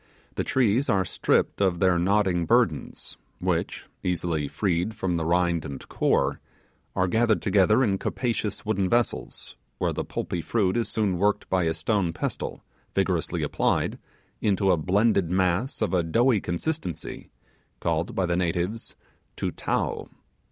The trees are stripped of their nodding burdens, which, easily freed from the rind and core, are gathered together in capacious wooden vessels, where the pulpy fruit is soon worked by a stone pestle, vigorously applied, into a blended mass of a doughy consistency, called by the natives 'Tutao'.